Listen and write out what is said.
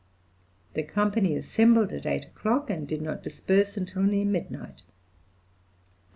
The company assembled at 8 o'clock, and did not disperse until near midnight. L..